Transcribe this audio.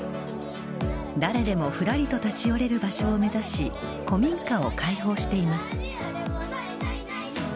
誰でもふらりと立ち寄れる場所を目指し古民家を開放しています。